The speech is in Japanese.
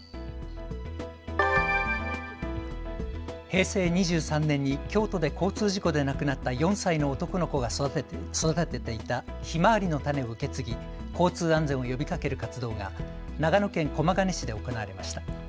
平成２３年に京都で交通事故で亡くなった４歳の男の子が育てていたひまわりの種を受け継ぎ交通安全を呼びかける活動が長野県駒ヶ根市で行われました。